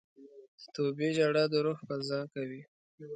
د توبې ژړا د روح صفا کوي.